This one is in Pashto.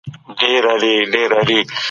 ده پښتنو عیبونه وښودل.